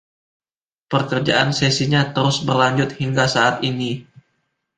Pekerjaan sesinya terus berlanjut hingga saat ini.